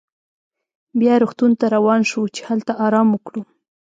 بیا روغتون ته روان شوو چې هلته ارام وکړو.